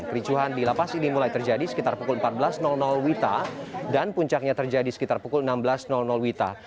kericuhan di lapas ini mulai terjadi sekitar pukul empat belas wita dan puncaknya terjadi sekitar pukul enam belas wita